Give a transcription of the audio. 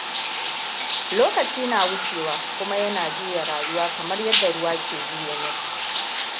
Lokaci na wucewa, kuma yana juya rayuwa kamar yadda ruwa ke juya mill.